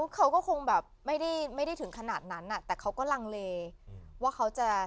เขาก็คงแบบไม่ได้ถึงขนาดนั้นแต่เขาก็ลังเลว่าเขาจะ